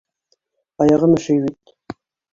Аяғым өшөй бит!